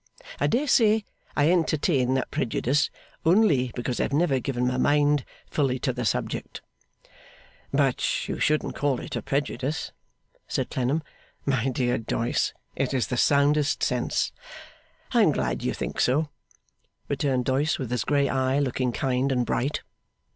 I dare say I entertain that prejudice, only because I have never given my mind fully to the subject.' 'But you shouldn't call it a prejudice,' said Clennam. 'My dear Doyce, it is the soundest sense.' 'I am glad you think so,' returned Doyce, with his grey eye looking kind and bright.